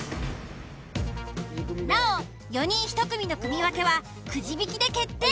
なお４人１組の組分けはくじ引きで決定。